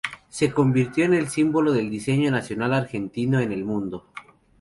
Se convirtió en el símbolo del diseño nacional argentino en el mundo.